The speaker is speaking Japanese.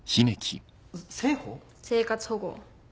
生活保護。